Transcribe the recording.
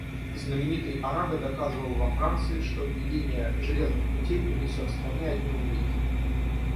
Знаменитый Араго доказывал во Франции, что введение железных путей принесет стране одни убытки.